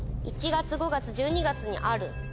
１月５月１２月にある。